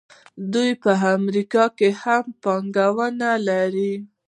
دوی په امریکا کې هم پانګونه لري.